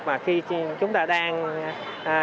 và khi chúng ta đang nghe